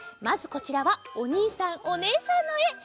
まずこちらはおにいさんおねえさんのえ！